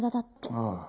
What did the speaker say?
ああ。